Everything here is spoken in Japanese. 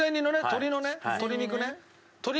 鶏のね鶏肉ね。